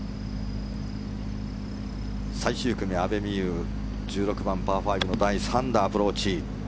最終組、阿部未悠１６番、パー５第３打のアプローチ。